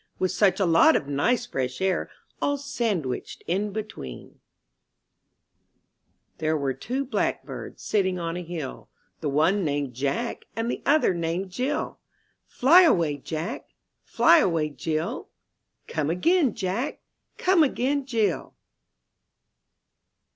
With such a lot of nice fresh air All sandwiched in between. 34 I N THE NURSERY nPHERE were two blackbirds ■■ Sitting on a hill, The one named Jack, And the other named Jill. Fly away. Jack ! Fly away, Jill ! Come again. Jack! Come again, Jill